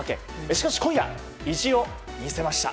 しかし今夜意地を見せました。